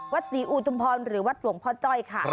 ศรีอุทุมพรหรือวัดหลวงพ่อจ้อยค่ะ